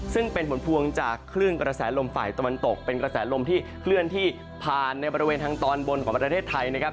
ซึ่งเป็นผลพวงจากคลื่นกระแสลมฝ่ายตะวันตกเป็นกระแสลมที่เคลื่อนที่ผ่านในบริเวณทางตอนบนของประเทศไทยนะครับ